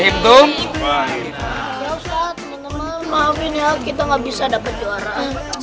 ya ustadz maafin ya kita nggak bisa dapat juara